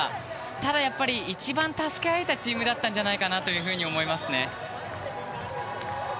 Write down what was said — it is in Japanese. ただ、やっぱり一番助け合えたチームだったんじゃないかなと思いますね。